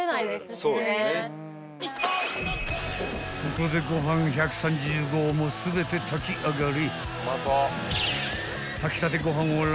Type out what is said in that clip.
［ここでご飯１３０合も全て炊き上がり］